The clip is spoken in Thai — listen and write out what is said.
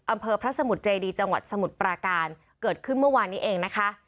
อำเภอพระสมุทรเจดีจังหวัดสมุทรปราการเกิดขึ้นเมื่อวานนี้เองนะคะ